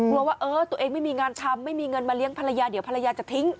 ว่าเออตัวเองไม่มีงานทำไม่มีเงินมาเลี้ยงภรรยาเดี๋ยวภรรยาจะทิ้ง